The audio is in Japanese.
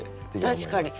確かに。